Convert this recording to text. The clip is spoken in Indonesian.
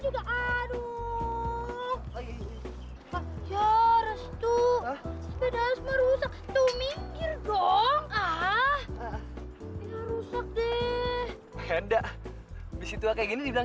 udah aduk ya restu sepeda asma rusak tuh minggir dong ah rusak deh beda besi tua kayak gini bilang